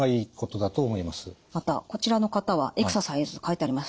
またこちらの方はエクササイズ書いてあります。